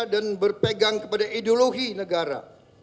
dan berpegang kepada ideologi negara